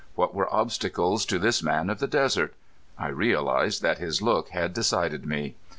What were obstacles to this man of the desert? I realized that his look had decided me.